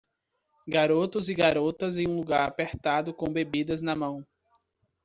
Garotos e garotas em um lugar apertado com bebidas na mão.